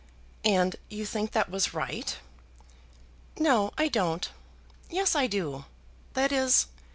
"And you think that was right?" "No, I don't. Yes, I do; that is.